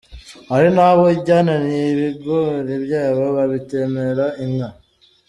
Hari n’abo byananiye ibigori byabo babitemera inka”.